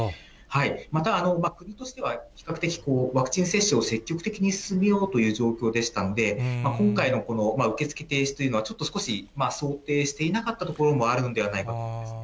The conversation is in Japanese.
また国としては比較的、ワクチン接種を積極的に進めようという状況でしたので、今回のこの受け付け停止というのは、ちょっと、少し想定していなかったところもあるんではないかと思いますね。